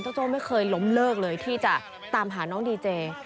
โจ้ไม่เคยล้มเลิกเลยที่จะตามหาน้องดีเจ